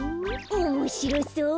おもしろそう！